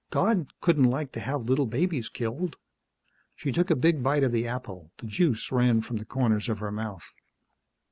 God couldn't like to have little babies killed!" She took a big bite of the apple; the juice ran from the corners of her mouth.